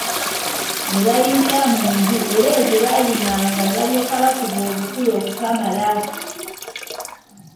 Ne bayingira mu nju era eyo gye bayimanga ne balyoka bakuba obukule okukamala!